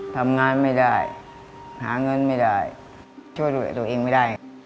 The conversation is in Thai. ทำงานไม่ได้หาเงินไม่ได้ช่วยดูแลตัวเองไม่ได้